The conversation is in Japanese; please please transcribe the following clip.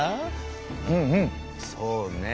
うんうんそうね。